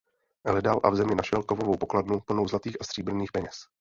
Hledal a v zemi našel kovovou pokladnu plnou zlatých a stříbrných peněz.